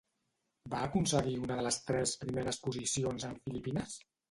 Va aconseguir una de les tres primeres posicions en Filipines?